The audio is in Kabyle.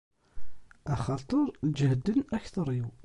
Axaṭer ǧehden akter-iw!